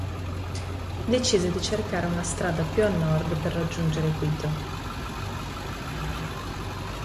Decise di cercare una strada più a nord per raggiungere Quito.